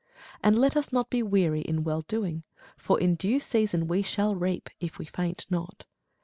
And let us not be weary in well doing: for in due season we shall reap, if we faint not.